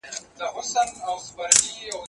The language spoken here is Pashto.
هغه وويل چي کتابتون ارام ځای دی!؟